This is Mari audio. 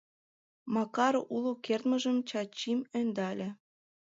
Макар уло кертмыжым Чачим ӧндале.